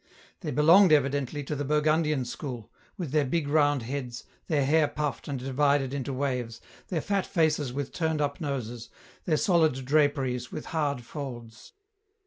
They belonged, evidently, to the Burgundian school, with their big round heads, their hair puffed and divided into waves, their fat faces with turned up noses, their solid draperies with hard folds.